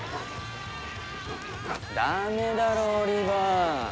ダメだろオリバー。